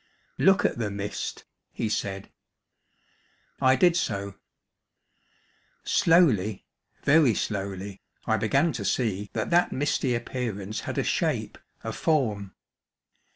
"Look at the mist," he said. I did so. Slowly, very slowly, I began to see that that misty appearance had a shape, a form.